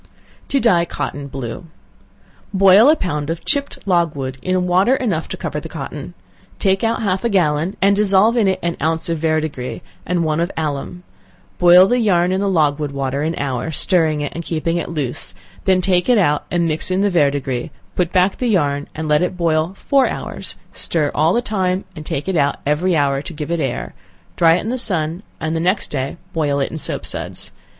To Dye Cotton Blue. Boil a pound of chipped logwood in water enough to cover the cotton; take out half a gallon, and dissolve in it an ounce of verdigris, and one of alum; boil the yarn in the logwood water an hour, stirring it, and keeping it loose; then take it out, and mix in the verdigris; put back the yarn, and let it boil four hours, stir all the time, and take it out every hour to give it air, dry it in the sun, and the next day boil it in soap suds.